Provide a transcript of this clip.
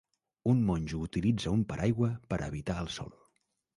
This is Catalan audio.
Un monjo utilitza un paraigua per evitar el sol.